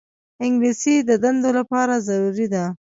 انګلیسي د دندو لپاره ضروري ده